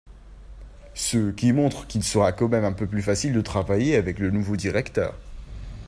ce qui montre qu'il sera quand même un peu plus facile de travailler avec le nouveau directeur.